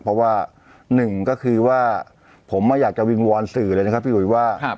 เพราะว่าหนึ่งก็คือว่าผมอยากจะวิงวอนสื่อเลยนะครับพี่อุ๋ยว่า